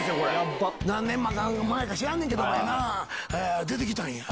何年前か知らんねんけどもやな出て来たんや。